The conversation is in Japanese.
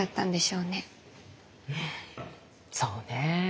うんそうね。